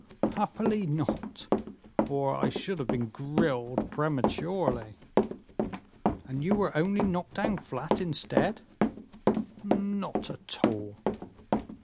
"Happily not, or I should have been grilled prematurely." "And you were only knocked down flat, instead?" "Not at all."